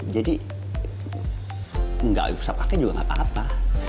jadi nggak usah pakai juga nggak apa apa